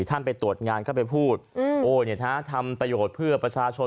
ท่านไปตรวจงานเข้าไปพูดโอ้ทำประโยชน์เพื่อประชาชน